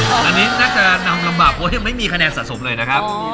อันนี้น่าจะนำลำบากเพราะยังไม่มีคะแนนสะสมเลยนะครับ